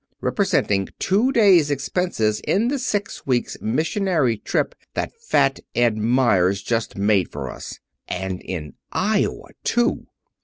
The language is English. Representing two days' expenses in the six weeks' missionary trip that Fat Ed Meyers just made for us. And in Iowa, too."